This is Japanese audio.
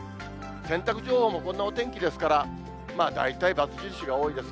洗濯情報も、こんなお天気ですから、大体バツ印が多いです。